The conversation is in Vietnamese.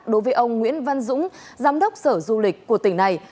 đối với ông nguyễn văn dũng giám đốc sở du lịch của tỉnh này